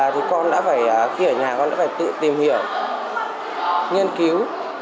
thì con đã phải khi ở nhà con đã phải tự tìm hiểu nghiên cứu